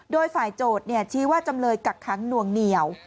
โดยฝ่ายโจทย์ชี้ว่าจำเลยกักค้างหน่วงเหนียว